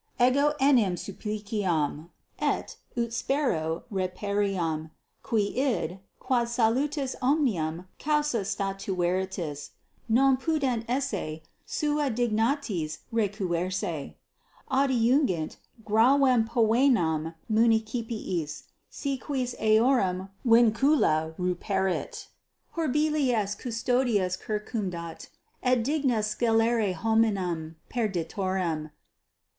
Ego enim suscipiam, et, ut spero, reperiam, qui id, quod salutis 8 omnium causa statueritis, non putent esse suae dignitatis recusare. Adiungit gravem poenam municipiis, si quis eorum vincula ruperit: horribiles custodias circumdat et dignas scelere hominum perditorum.